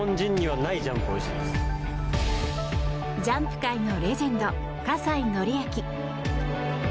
ジャンプ界のレジェンド葛西紀明。